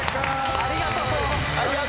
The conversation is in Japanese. ありがとう！